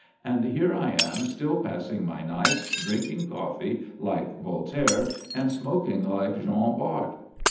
And here I am still passing my nights drinking coffee like Voltaire, and smoking like Jean Bart."